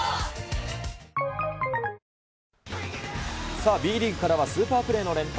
さあ、Ｂリーグからはスーパープレーの連発。